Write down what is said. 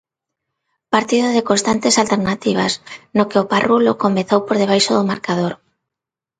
Partido de constantes alternativas, no que o Parrulo comezou por debaixo do marcador.